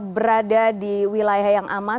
berada di wilayah yang aman